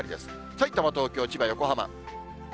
さいたま、東京、千葉、横浜。